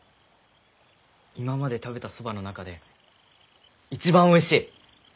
今まで食べたそばの中で一番おいしい！